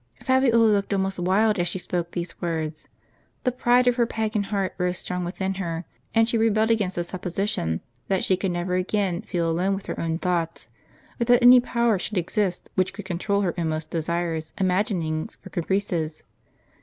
" Fabiola looked almost wild as she spoke these words. The pride of her pagan heart rose strong within her, and she rebelled against the supposition that she could never again feel alone with her own thoughts, or that any power should exist which could control her inmost desires, imaginings, or caprices.